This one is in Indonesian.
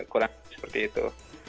kurang seperti itu